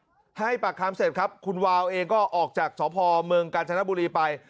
พอให้ปากคำเสร็จครับคุณวาวเองก็ออกจากสพเมืองกาญจนบุรีไป